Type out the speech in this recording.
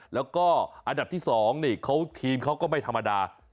แล้วก็อันดับที่๒ทีมเขาก็ไม่ธรรมดา